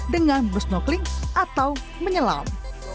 dengan bersnokling atau menyelam